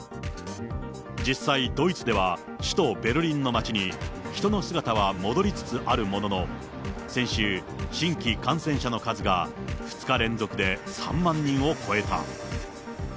実際、ドイツでは首都ベルリンの街に人の姿は戻りつつあるものの、先週、新規感染者の数が２日連続で３万人を超えた。